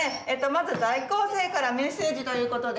まず在校生からメッセージということで。